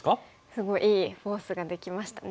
すごいいいフォースができましたね。